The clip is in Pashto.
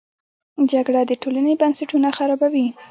جګړه د ټولنې بنسټونه خرابوي